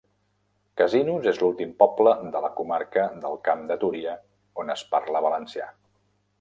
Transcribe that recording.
Casinos és l'últim poble de la comarca del Camp de Túria on es parla valencià.